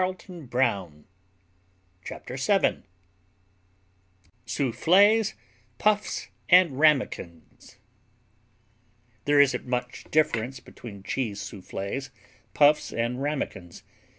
Chapter Seven Soufflés, Puffs and Ramekins There isn't much difference between Cheese Soufflés, Puffs and Ramekins.